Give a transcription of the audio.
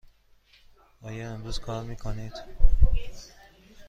آیا امروز کار می کنید؟